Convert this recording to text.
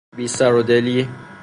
بی سر و دلی